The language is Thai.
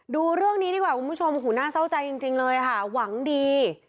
ดูเรื่องนี้ดีกว่าคุณผู้ชมหูน่าเศร้าใจจริงเลยค่ะหวังดี